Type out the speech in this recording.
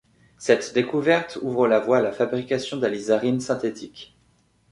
Cette découverte ouvre la voie à la fabrication d'alizarine synthétique.